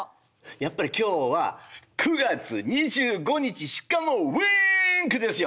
やっぱり今日は９月２５日しかもＷｉｎｋですよ！